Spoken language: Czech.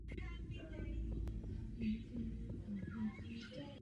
Poblíž "Banja Luky" se nacházejí léčivé minerální prameny obsahující síru.